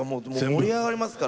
盛り上がりますから。